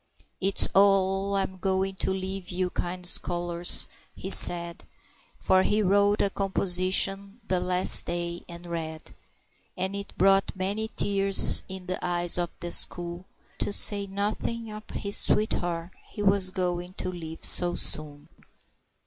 "It's Oh, I'm going to leave you, kind scholars," he said For he wrote a composition the last day and read; And it brought many tears in the eyes of the school, To say nothing of his sweet heart he was going to leave so soon.